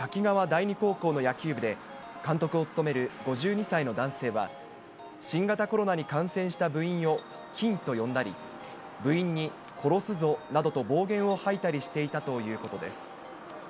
第二高校の野球部で、監督を務める５２歳の男性は、新型コロナに感染した部員を菌と呼んだり、部員に殺すぞなどと暴言を吐いたりしていたということです。